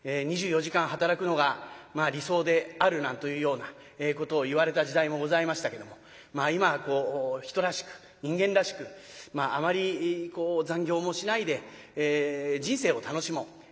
２４時間働くのが理想であるなんというようなことを言われた時代もございましたけども今はこう人らしく人間らしくあまり残業もしないで人生を楽しもう。